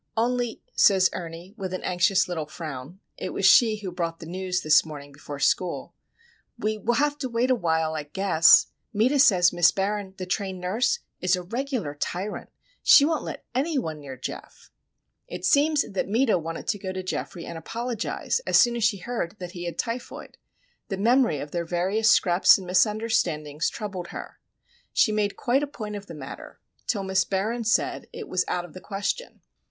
"Only," says Ernie, with an anxious little frown (it was she who brought the news this morning before school), "we will have to wait a while, I guess. Meta says Miss Barron, the trained nurse, is a regular tyrant. She won't let any one near Geof." It seems that Meta wanted to go to Geoffrey and apologise as soon as she heard that he had typhoid. The memory of their various scraps and misunderstandings troubled her. She made quite a point of the matter, till Miss Barron said it was out of the question.